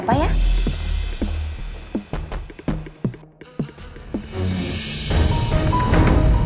apa ada apa